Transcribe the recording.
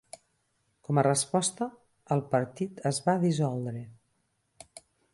Com a resposta, el partit es va dissoldre.